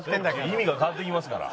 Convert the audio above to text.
意味が変わってきますから。